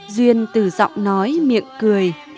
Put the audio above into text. duyên từ giọng nói miệng cười